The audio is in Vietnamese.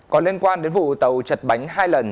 có liên quan đến vụ tàu chật bánh hai lần